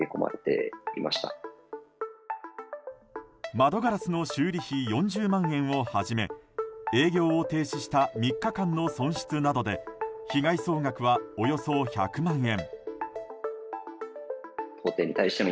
窓ガラスの修理費４０万円をはじめ営業を停止した３日間の損失などで被害総額は、およそ１００万円。